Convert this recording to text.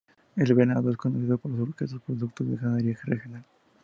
El Venado es conocido por sus quesos, producto de la ganadería regional.